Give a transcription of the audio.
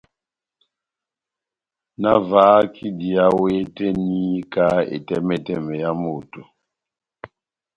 Nahavahak' idiya ó hé tɛ́h eni ka etɛmɛtɛmɛ yá moto.